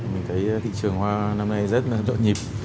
mình thấy thị trường hoa năm nay rất là nhịp